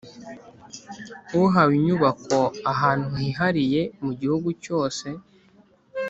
uhawe inyubako ahantu hihariye mu gihugu cyose